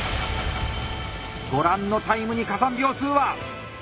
ご覧のタイムに加算秒数は？